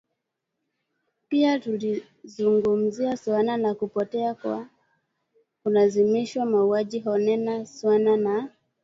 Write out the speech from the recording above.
Pia tulizungumzia suala la kupotea kwa kulazimishwa mauaji holela suala la